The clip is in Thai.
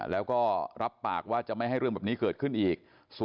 แล้วก็รับปากว่าจะไม่ให้เรื่องแบบนี้เกิดขึ้นอีก